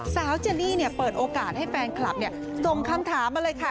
เจนี่เปิดโอกาสให้แฟนคลับส่งคำถามมาเลยค่ะ